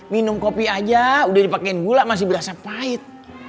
minum kopi aja udah dipakaiin gula masih berasa pahit